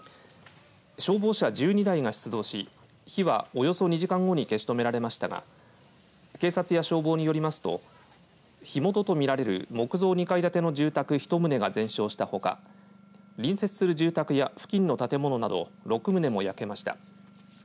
消防車１２台が出動し火は、およそ２時間後に消し止められましたが警察や消防によりますと火元と見られる木造２階建ての住宅１棟が全焼したほか隣接する住宅や付近の建物など６棟も焼けました。